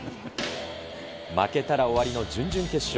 負けたら終わりの準々決勝。